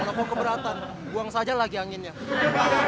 kalau kau keberatan buang saja lagi anginnya